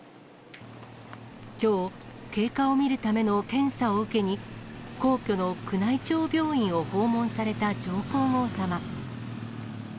きょう、経過を見るための検査を受けに、皇居の宮内庁病院を訪問された上皇后さま。